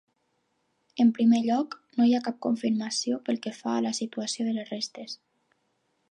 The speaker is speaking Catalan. En primer lloc, no hi ha cap confirmació pel que fa a la situació de les restes.